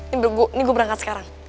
ini gue berangkat sekarang